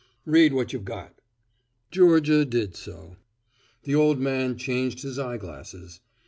Read what you've got." Georgia did so. The old man changed his eyeglasses.